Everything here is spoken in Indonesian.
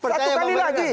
satu kali lagi